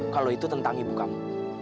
kalau itu tentang ibu kamu